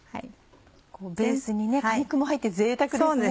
ベースに果肉も入って贅沢ですね。